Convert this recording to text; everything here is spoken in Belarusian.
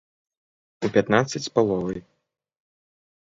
У пятнаццаць з паловай.